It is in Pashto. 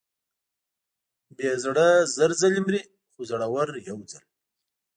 بې زړه زر ځلې مري، خو زړور یو ځل.